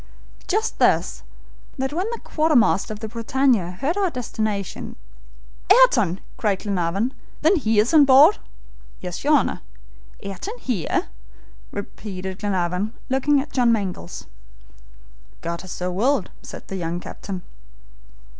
"Just this, that when the quartermaster of the BRITANNIA heard our destination " "Ayrton!" cried Glenarvan. "Then he is on board?" "Yes, your Honor." "Ayrton here?" repeated Glenarvan, looking at John Mangles. "God has so willed!" said the young captain.